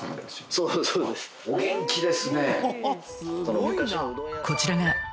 そうそうです。